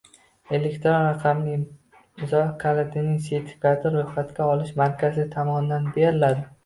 Elektron raqamli imzo kalitining sertifikati ro‘yxatga olish markazi tomonidan beriladi.